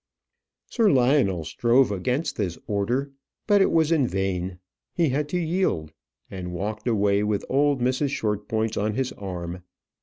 Sir Lionel strove against the order; but it was in vain. He had to yield; and walked away with old Mrs. Shortpointz on his arm.